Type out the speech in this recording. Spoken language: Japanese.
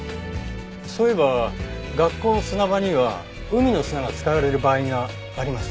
そういえば学校の砂場には海の砂が使われる場合がありますね。